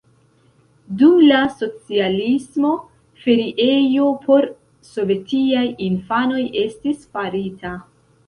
Dum la socialismo feriejo por sovetiaj infanoj estis farita.